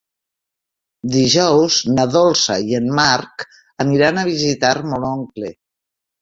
Dijous na Dolça i en Marc aniran a visitar mon oncle.